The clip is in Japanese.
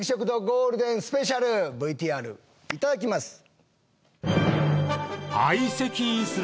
ゴールデンスペシャルＶＴＲいただきます。